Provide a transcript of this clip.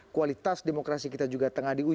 kualitas demokrasi kita juga tengah diuji